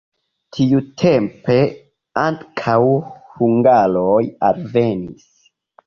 Tiutempe ankaŭ hungaroj alvenis.